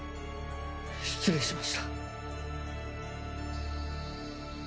失礼しました。